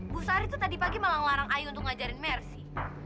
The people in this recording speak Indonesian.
bu sari tadi pagi malah ngelarang ayu ngajarin mercy